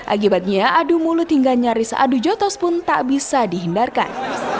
akibatnya adu mulut hingga nyaris adu jotos pun tak bisa dihindarkan